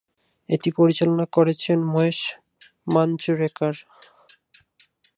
এটি পরিচালনা করেছেন মহেশ মান্জরেকার।